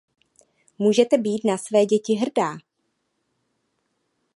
Můžete být na své děti hrdá!